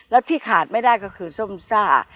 แล้วที่ขาดไม่ได้ก็คือส้มซ่า